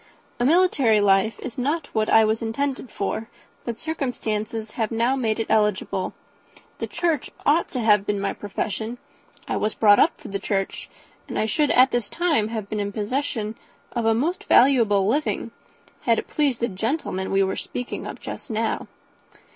A military life is not what I was intended for, but circumstances have now made it eligible. The church ought to have been my profession I was brought up for the church; and I should at this time have been in possession of a most valuable living, had it pleased the gentleman we were speaking of just now."